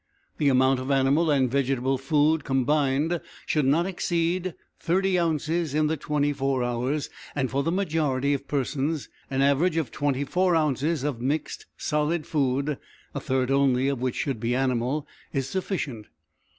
The amount of animal and vegetable food combined should not exceed thirty ounces in the twenty four hours, and for the majority of persons an average of twenty four ounces of mixed solid food, a third only of which should be animal, is sufficient.